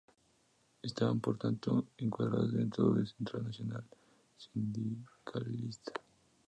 Estaban por tanto encuadradas dentro de Central Nacional-Sindicalista.